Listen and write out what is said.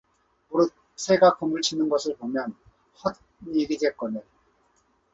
무릇 새가 그물 치는 것을 보면 헛 일이겠거늘